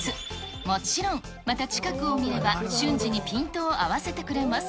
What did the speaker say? もちろん、また近くを見れば、瞬時にピントを合わせてくれます。